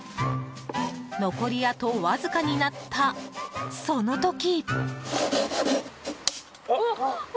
残りあとわずかになったその時。